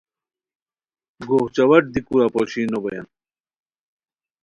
گوغ چاواٹ دی کورا پوشین نوبویان